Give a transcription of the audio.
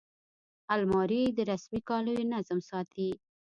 الماري د رسمي کالیو نظم ساتي